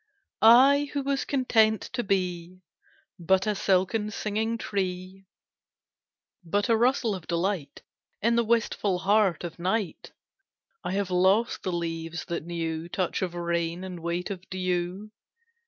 I who was content to be But a silken singing tree, But a rustle of delight In the wistful heart of night I have lost the leaves that knew Touch of rain and weight of dew.